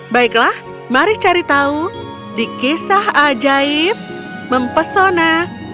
baiklah mari cari tahu di kisah ajaib mempesona